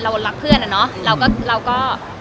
รักเพื่อนอะเนาะเราก็